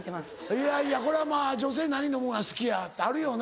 いやいやこれはまぁ女性何飲むのが好きやってあるよな。